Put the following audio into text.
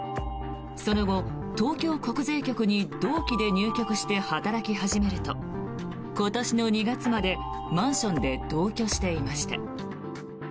その後、東京国税局に同期で入局して働き始めると今年の２月までマンションで同居していました。